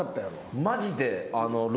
マジで。